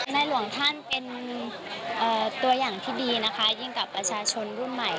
หลวงท่านเป็นตัวอย่างที่ดีนะคะยิ่งกับประชาชนรุ่นใหม่